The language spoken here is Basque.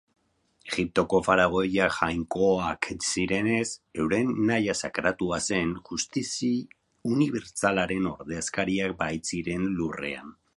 Egiptoko faraoiak jainkoak zirenez, euren nahia sakratua zen, justizi unibertsalaren ordezkariak baitziren lurrean.